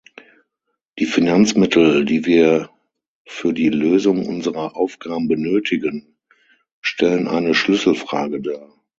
Die Finanzmittel, die wir für die Lösung unserer Aufgaben benötigen, stellen eine Schlüsselfrage dar.